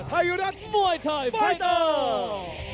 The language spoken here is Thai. ไทยอยู่ด้านมวยไทยไฟเตอร์